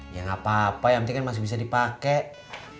ya nggak apa apa yang penting kan masih bisa dipakai